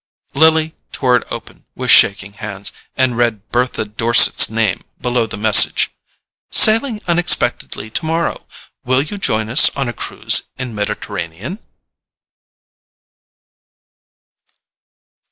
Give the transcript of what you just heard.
Lily tore it open with shaking hands, and read Bertha Dorset's name below the message: "Sailing unexpectedly tomorrow. Will you join us on a cruise in Mediterranean?"